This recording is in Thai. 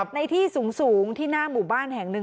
ในที่สูงที่หน้าหมู่บ้านแห่งหนึ่ง